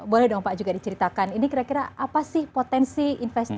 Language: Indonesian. boleh dong pak juga diceritakan ini kira kira apa sih potensi investasi